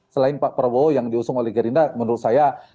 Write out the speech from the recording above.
selain pak prabowo yang diusung oleh gerindra menurut saya